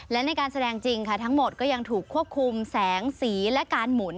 และในการแสดงจริงค่ะทั้งหมดก็ยังถูกควบคุมแสงสีและการหมุน